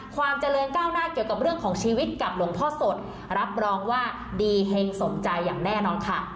ความเจริญก้าวหน้าเกี่ยวกับเรื่องของชีวิตกับหลวงพ่อสดรับรองว่าดีเฮงสมใจอย่างแน่นอนค่ะ